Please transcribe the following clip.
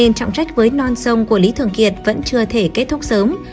nên trọng trách với non sông của lý thường kiệt vẫn chưa thể kết thúc sớm